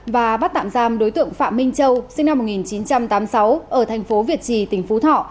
và bắt tạm giam đối tượng phạm minh châu sinh năm một nghìn chín trăm tám mươi sáu ở thành phố việt trì tỉnh phú thọ